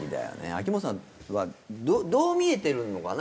秋元さんはどう見えてるのかな？